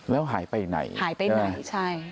แล้วหายไปไหนหายไปไหนใช่